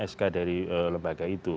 sk nya sk dari lembaga itu